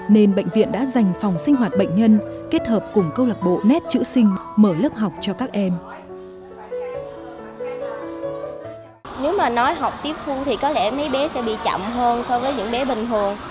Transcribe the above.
nếu mà nói học tiếp khu thì có lẽ mấy bé sẽ bị chậm hơn so với những bé bình thường